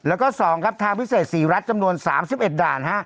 แล้วก็๒ครับทางพิเศษ๔รัฐจำนวน๓๑ด่าน